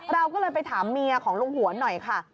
เราก็เลยไปถามเมียของลุงหวนหน่อยค่ะ